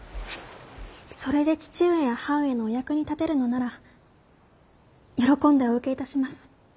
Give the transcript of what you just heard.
それで父上や母上のお役に立てるのなら喜んでお受けいたします。